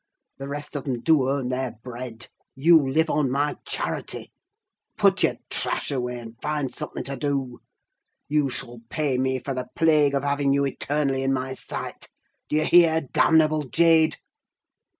The rest of them do earn their bread—you live on my charity! Put your trash away, and find something to do. You shall pay me for the plague of having you eternally in my sight—do you hear, damnable jade?"